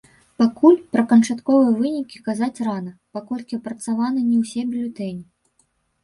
Пакуль пра канчатковыя вынікі казаць рана, паколькі апрацаваны не ўсе бюлетэні.